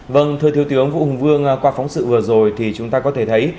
vâng thưa thiếu tướng vũ hùng vương qua phóng sự vừa rồi thì chúng ta có thể thấy